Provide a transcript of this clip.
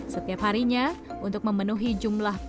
setiap harinya untuk membagikan makanan berbuka puasa bagi kaum duah pah